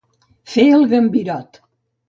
Fer el gambirot.